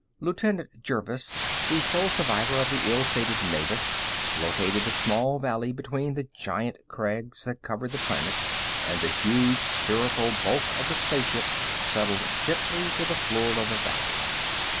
Lieutenant Jervis, the sole survivor of the ill fated Mavis, located the small valley between the giant crags that covered the planet, and the huge spherical bulk of the spaceship settled gently to the floor of the valley.